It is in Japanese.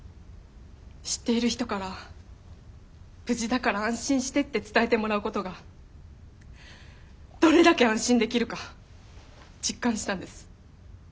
知っている人から無事だから安心してって伝えてもらうことがどれだけ安心できるか実感したんです。